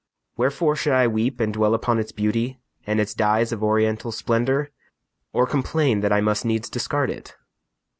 Wherefore should I weep And dwell upon its beauty, and its dyes Of oriental splendor, or complain That I must needs discard it?